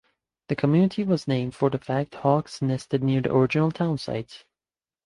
The community was named for the fact hawks nested near the original town site.